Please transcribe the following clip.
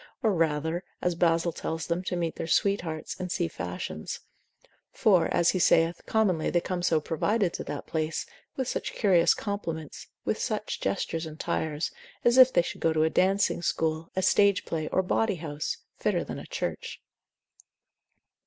or rather, as Basil tells them, to meet their sweethearts, and see fashions; for, as he saith, commonly they come so provided to that place, with such curious compliments, with such gestures and tires, as if they should go to a dancing school, a stage play, or bawdy house, fitter than a church.